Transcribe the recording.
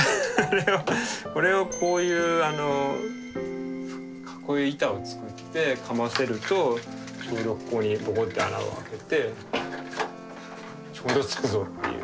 これをこういう板を作ってかませるとちょうどここにポコッて穴を開けてちょうどつくぞっていう。